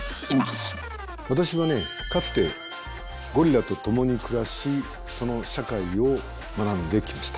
私はねかつてゴリラと共に暮らしその社会を学んできました。